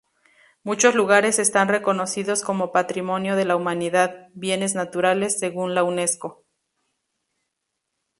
Muchos lugares están reconocidos como Patrimonio de la Humanidad: Bienes naturales según la Unesco.